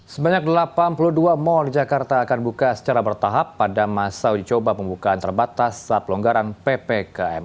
sebanyak delapan puluh dua mal di jakarta akan buka secara bertahap pada masa uji coba pembukaan terbatas saat pelonggaran ppkm